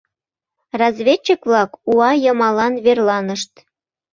Разведчик-влак уа йымалан верланышт.